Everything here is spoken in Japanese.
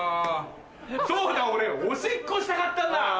そうだ俺おしっこしたかったんだ。